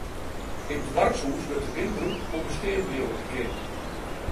It doarpshûs wurdt te min brûkt om bestean bliuwe te kinnen.